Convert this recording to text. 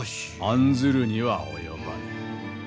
案ずるには及ばぬ。